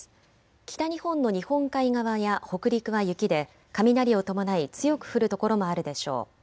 北日本の日本海側や北陸は雪で雷を伴い強く降る所もあるでしょう。